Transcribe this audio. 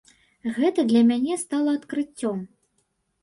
Гэта для мяне стала адкрыццём.